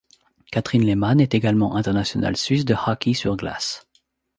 Kathrin Lehmann est également internationale suisse de hockey sur glace.